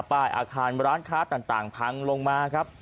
อาคารร้านค้าต่างพังลงมาครับ